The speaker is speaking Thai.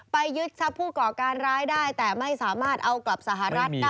ยึดทรัพย์ผู้ก่อการร้ายได้แต่ไม่สามารถเอากลับสหรัฐได้